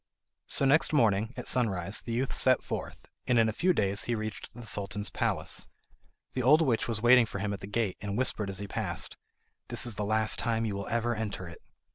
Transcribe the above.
So next morning at sunrise the youth set forth, and in a few days he reached the Sultan's palace. The old witch was waiting for him at the gate, and whispered as he passed: "This is the last time you will ever enter it."